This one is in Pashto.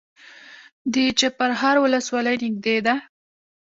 د چپرهار ولسوالۍ نږدې ده